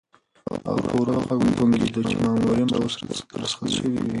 هغه په ورو غږ وبونګېده چې مامورین به اوس رخصت شوي وي.